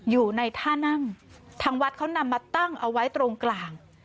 อยู่ในท่านั่งทางวัดเขานำมาตั้งเอาไว้ตรงกลาง